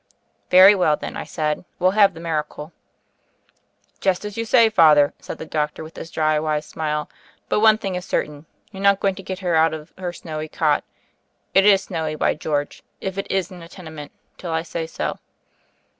"Very well, then," I said; "we'll have the miracle." "Just as you say, Father," said the doctor with his dry, wise smile. "But one thing is cer tain; you're not going to get her out of her snowy cot — it is snowy, by George, if it is in a tenement — ^till I say so."